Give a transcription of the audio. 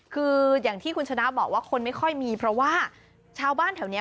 คืออย่างที่คุณชนะบอกว่าคนไม่ค่อยมีเพราะว่าชาวบ้านแถวนี้